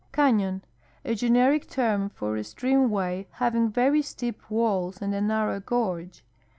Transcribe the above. Cation. — A generic term for a streamway having very steep walls and a narrow gorge.